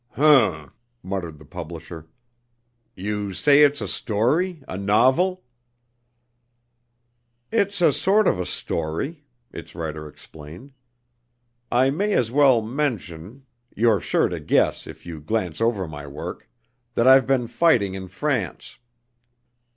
"H'm!" muttered the publisher. "You say it's a story a novel?" "It's a sort of a story," its writer explained. "I may as well mention you're sure to guess if you glance over my work that I've been fighting in France.